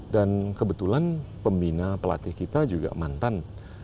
dan kebetulan pembina pelatih kita juga mantan